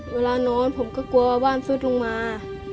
เวลานอนผมก็กลัวบ้านซุดลงมา